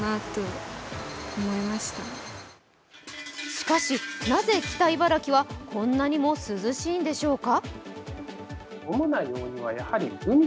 しかし、なぜ北茨城はこんなにも涼しいのでしょうか？